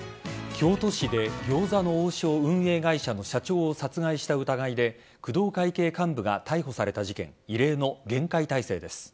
京都市で餃子の王将運営会社の社長を殺害した疑いで工藤会系幹部が逮捕された事件異例の厳戒態勢です。